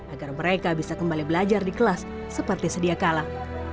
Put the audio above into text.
agar mereka bisa kembali belajar di kelas seperti sedia kalah